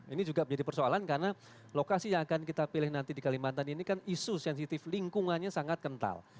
ini juga menjadi persoalan karena lokasi yang akan kita pilih nanti di kalimantan ini kan isu sensitif lingkungannya sangat kental